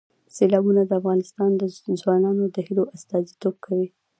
سیلابونه د افغان ځوانانو د هیلو استازیتوب کوي.